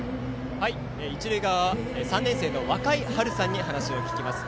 一塁側３年生のわかいはるさんにお話を聞きます。